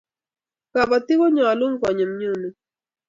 kabatik konyalun konyum nyumen